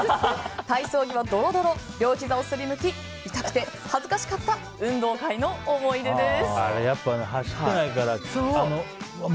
体操着はドロドロ両ひざをすりむき痛くて、恥ずかしかった運動会の思い出です。